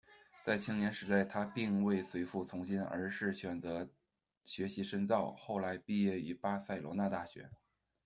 在青年时代他并未随父从军，而是选择学习深造，后来毕业于巴塞罗那大学。